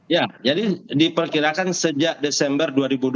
ya jadi diperkirakan sejak desember dua ribu dua puluh